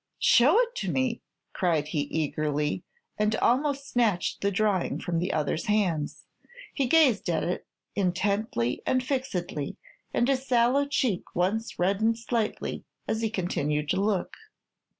"Show it to me!" cried he, eagerly, and almost snatched the drawing from the other's hands. He gazed at it intently and fixedly, and his sallow cheek once reddened slightly as he continued to look.